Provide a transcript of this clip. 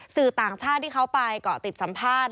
สื่อต่างชาติที่เขาไปเกาะติดสัมภาษณ์